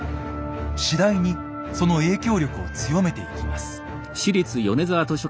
次第にその影響力を強めていきます。